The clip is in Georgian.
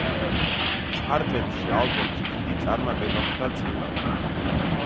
ჩარტებში ალბომს დიდი წარმატება ხვდა წილად.